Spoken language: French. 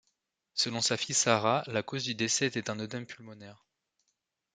Selon sa fille Sara, la cause du décès était un œdème pulmonaire.